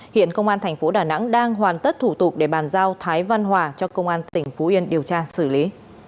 hiện công an thành phố đà nẵng đang hoàn tất thủ tục để bàn giao thái văn hòa cho công an tỉnh phú yên điều tra xử lý